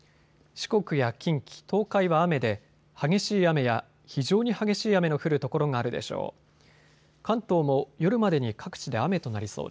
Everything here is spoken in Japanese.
四国や近畿、東海は雨で激しい雨や非常に激しい雨の降る所があるでしょう。